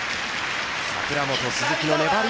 櫻本・鈴木の粘り。